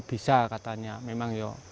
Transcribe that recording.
bisa katanya memang